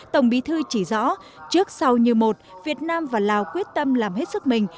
tổng bí thư chỉ rõ trước sau như một việt nam và lào quyết tâm làm hết sức mình